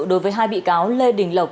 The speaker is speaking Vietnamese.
đối với hai bị cáo lê đình lộc